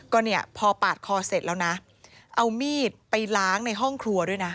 ก็เนี่ยพอปาดคอเสร็จแล้วนะเอามีดไปล้างในห้องครัวด้วยนะ